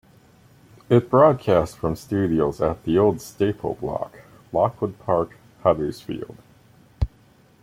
It broadcast from studios at The Old Stableblock, Lockwood Park, Huddersfield.